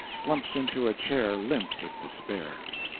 Slumps into a chair limp with despair.